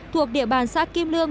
thuộc địa bàn xác kim lương